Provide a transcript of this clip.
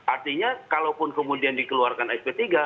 artinya kalaupun kemudian dikeluarkan sp tiga